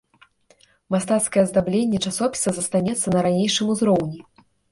Мастацкае аздабленне часопіса застанецца на ранейшым узроўні.